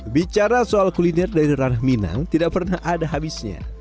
bicara soal kuliner dari ranah minang tidak pernah ada habisnya